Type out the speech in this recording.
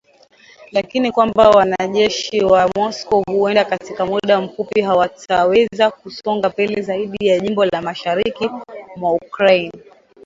Lakini kwamba wanajeshi wa Moscow huwenda katika muda mfupi hawataweza kusonga mbele zaidi ya jimbo la mashariki mwa Ukraine